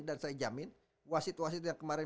dan saya jamin wasit wasit yang kemarin